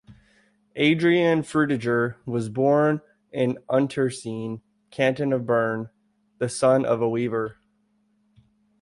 Adrian Frutiger was born in Unterseen, Canton of Bern, the son of a weaver.